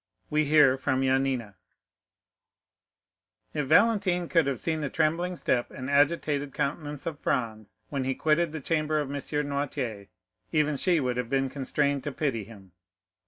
We hear From Yanina If Valentine could have seen the trembling step and agitated countenance of Franz when he quitted the chamber of M. Noirtier, even she would have been constrained to pity him.